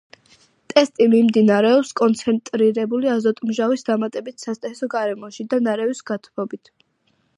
ტესტი მიმდინარეობს კონცენტრირებული აზოტმჟავის დამატებით სატესტო გარემოში და ნარევის გათბობით.